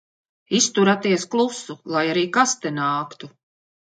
Izturaties klusi, lai arī kas te nāktu.